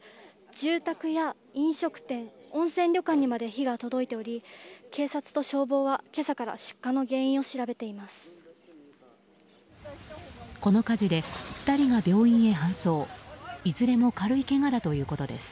住宅や飲食店温泉旅館にまで火が届いており警察と消防は今朝から出火の原因を調べています。